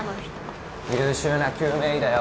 優秀な救命医だよ。